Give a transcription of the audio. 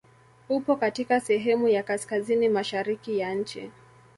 Upo katika sehemu ya kaskazini mashariki ya nchi.